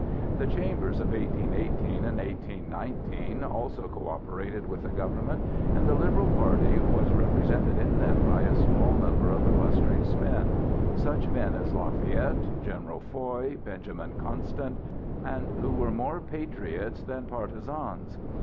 The Chambers of 1818 and 1819 also coöperated with the government, and the liberal party was represented in them by a small number of illustrious men,—such men as Lafayette, General Foy, Benjamin Constant,—men who were more patriots than partisans.